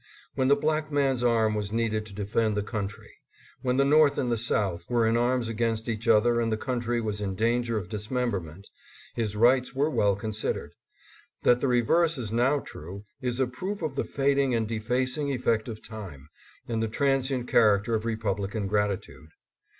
When the black man's arm was needed to defend the country ; when the North and the South were in arms against each other and the country was in danger of dismemberment, his rights were well considered. That the reverse is now true, is a proof of the fading and defacing effect of time and the transient character of Republican gratitude.